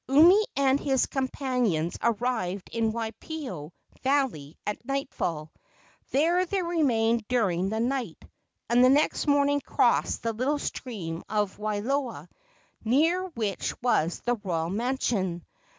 Umi and his companions arrived in Waipio valley at nightfall. There they remained during the night, and the next morning crossed the little stream of Wailoa, near which was the royal mansion.